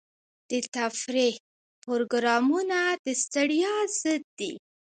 د تفریح پروګرامونه د ستړیا ضد دي.